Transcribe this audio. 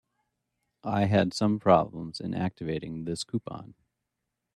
I had some problems in activating this coupon.